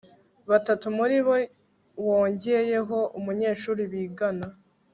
batatu muri bo, wongeyeho umunyeshuri bigana